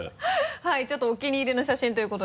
はいちょっとお気に入りの写真ということで。